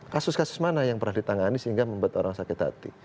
kasus kasus mana yang pernah ditangani sehingga membuat orang sakit hati